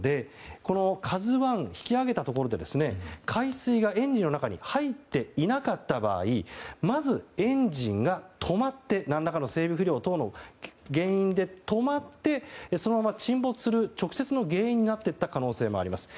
ですので、「ＫＡＺＵ１」を引き揚げたところで海水がエンジンの中に入っていなかった場合まず、エンジンが止まって何らかの整備不良の原因で止まって、そのまま沈没する直接の原因になった可能性もあります。